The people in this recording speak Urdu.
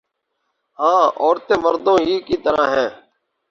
ہاں عورتیں مردوں ہی کی طرح ہیں